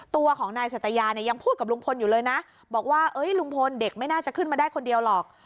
ตัวของนายสัตยาเนี่ยยังพูดกับลุงพลอยู่เลยนะบอกว่าลุงพลเด็กไม่น่าจะขึ้นมาได้คนเดียวหรอก